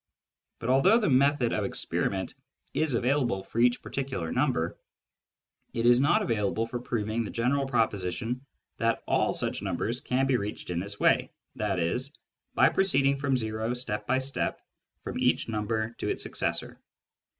But although the method of experiment is available for each particular natural number, it is not available for proving the general proposition that all such numbers can be reached in this way, i.e. by proceeding from o step by step from each number to its successor.